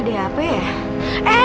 di ukuran eko